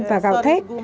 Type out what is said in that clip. và gào thét